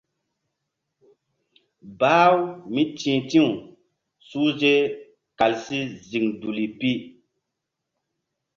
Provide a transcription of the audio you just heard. Bah-u mí ti̧h ti̧w suhze kal si ziŋ duli pi.